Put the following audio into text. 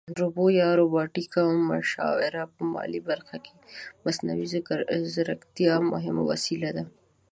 روبو یا روباټیکه مشاوره په مالي برخه کې د مصنوعي ځیرکتیا مهمه وسیله ده